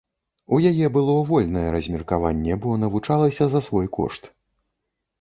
У яе было вольнае размеркаванне, бо навучалася за свой кошт.